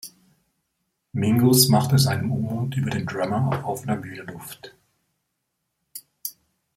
Mingus machte seinem Unmut über den Drummer auf offener Bühne Luft.